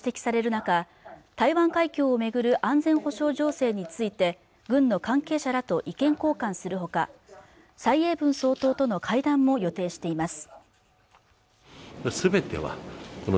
中台湾海峡をめぐる安全保障情勢について軍の関係者らと意見交換するほか蔡英文総統との会談も予定しています